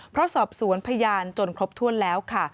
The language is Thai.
เพราะสอบสวนพยานจนครบถ้วนแล้วค่ะ